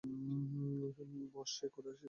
বস, সে কোর্টে এসেছে।